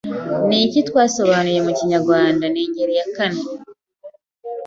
Iki twasobanuye mu kinyarwanda ni ingeri ya kane